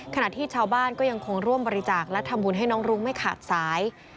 ขณะที่ชาวบ้านก็ยังคงร่วมบริจาคและทำบุญให้น้องรุ้งไม่ขาดสาย